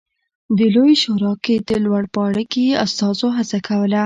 د لویې شورا کې د لوړ پاړکي استازو هڅه کوله